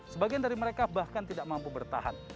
sebagian dari mereka bahkan tidak mampu bertahan